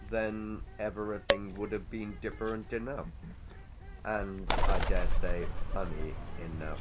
Then everything would have been different enough and, I dare say, 'funny' enough.